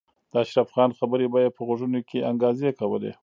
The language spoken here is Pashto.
د اشرف خان خبرې به یې په غوږونو کې انګازې کولې